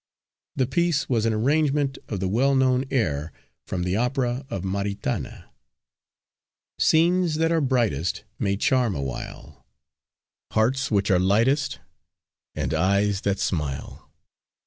The piece was an arrangement of the well known air from the opera of Maritana: _"Scenes that are brightest, May charm awhile, Hearts which are lightest And eyes that smile.